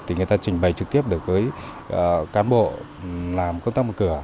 thì người ta trình bày trực tiếp được với cán bộ làm công tác một cửa